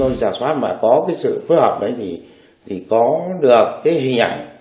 nếu có sự phù hợp thì có được hình ảnh